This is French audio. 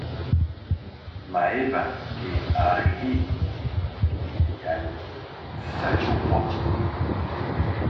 Maeva te ari'i = Salut au roi.